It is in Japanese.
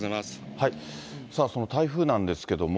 その台風なんですけども。